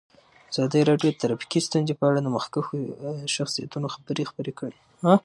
ازادي راډیو د ټرافیکي ستونزې په اړه د مخکښو شخصیتونو خبرې خپرې کړي.